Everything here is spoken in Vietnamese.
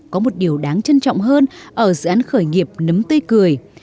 có một điều đáng trân trọng hơn ở dự án khởi nghiệp nấm tây cười